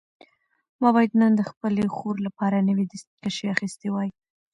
ما باید نن د خپلې خور لپاره نوي دستکشې اخیستې وای.